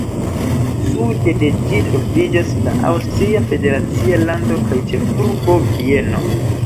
Sude de ĝi troviĝas la Aŭstria federacia lando kaj ĉefurbo Vieno.